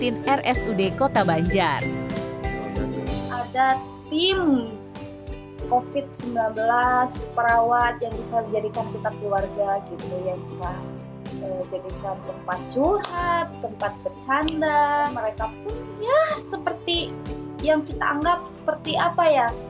mereka punya seperti yang kita anggap seperti apa ya